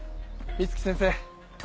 美月先生。